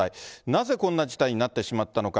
なぜこんな事態になってしまったのか。